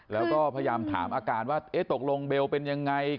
แล้วก็พยายามถามอาการว่าเอ๊ะตกลงเบลเป็นยังไง